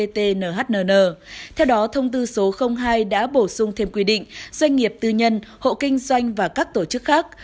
theo đó thông tư số hai đã bổ sung thêm quy định doanh nghiệp tư nhân hộ kinh doanh và các tổ chức khác